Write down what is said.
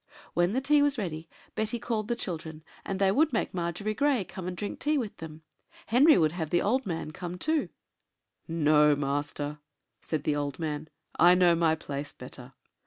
When the tea was ready, Betty called the children, and they would make Margery Grey come and drink tea with them. Henry would have the old man come too. "No, master," said the old man: "I know my place better."